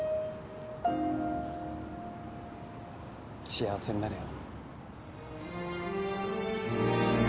幸せになれよ。